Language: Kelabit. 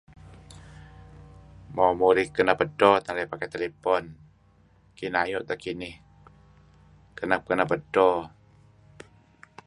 Mo, murih kenep edto teh narih pakai telepon. Kineh ayu' teh kinih, kenep-kenep edto.